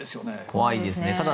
怖いですね。